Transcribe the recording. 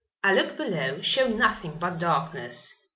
A look below showed nothing but darkness.